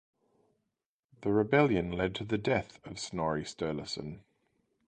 The rebellion led to the death of Snorri Sturluson.